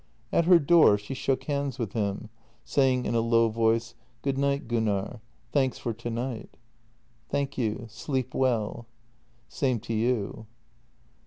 At her door she shook hands with him, saying in a low voice: "Good night, Gunnar — thanks for tonight." " Thank you. Sleep well." " Same to you."